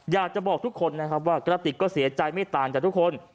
อยากจะบอกทุกคนนะครับว่ากระติกก็เสียใจไม่ต่างจากทุกคน